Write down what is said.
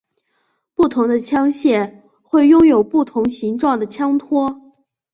不同的枪械会拥有不同形状的枪托。